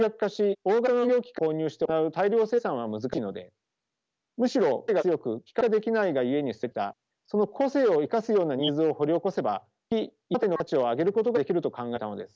大型の林業機械を購入して行う大量生産は難しいのでむしろこれまで個性が強く規格化できないがゆえに捨てられてきたその個性を生かすようなニーズを掘り起こせば木１本当たりの価値を上げることができると考えたのです。